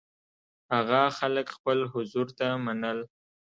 هغه خلک خپل حضور ته منل.